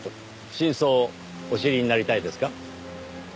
真相をお知りになりたいですか？